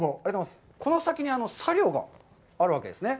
この先に茶寮があるわけですね？